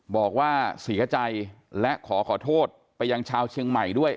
บอกว่าเสียใจและขอขอโทษไปยังชาวเชียงใหม่ด้วย